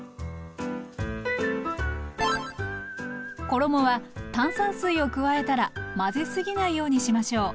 衣は炭酸水を加えたら混ぜすぎないようにしましょう。